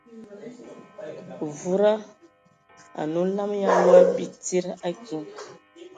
Wuda anə olam ya wa bi tsid a kiŋ.